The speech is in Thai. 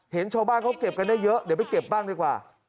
เห็นชาวบ้านเขาเก็บกันได้เยอะเดี๋ยวไปเก็บบ้างดีกว่า